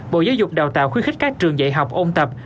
bộ giáo dục đào tạo khuyến khích các trường dạy học ôn tập